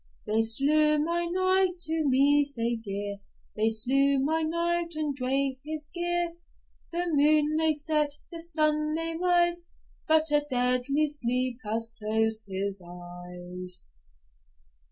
They slew my knight, to me sae dear; They slew my knight, and drave his gear; The moon may set, the sun may rise, But a deadly sleep has closed his eyes.